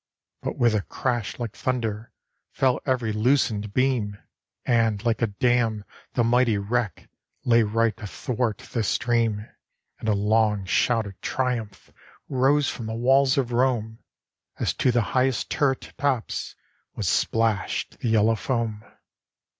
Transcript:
But with a crash like thunder Fell every loosened beam. And, like a dam, the mighty wreck Lay right athwart the stream ; And a long shout of triumph Rose from the walls of Rome, As to the highest turret tops Was splashed the yellow foam.